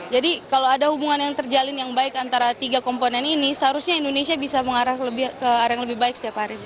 jadi kalau ada hubungan yang terjalin yang baik antara tiga komponen ini seharusnya indonesia bisa mengarah ke area yang lebih baik setiap hari